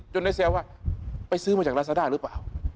ได้แซวว่าไปซื้อมาจากลาซาด้าหรือเปล่า